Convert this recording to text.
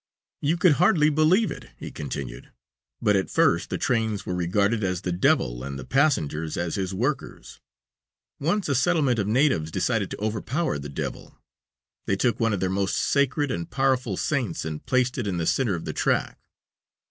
"You would hardly believe it," he continued, "but at first the trains were regarded as the devil and the passengers as his workers. Once a settlement of natives decided to overpower the devil. They took one of their most sacred and powerful saints and placed it in the center of the track.